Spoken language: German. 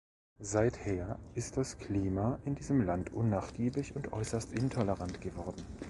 Seither ist das Klima in diesem Land unnachgiebig und äußerst intolerant geworden.